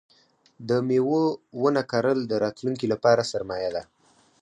د مېوو ونه کرل د راتلونکي لپاره سرمایه ده.